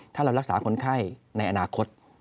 ถ้าเรารักษาคนไข้ในอนาคต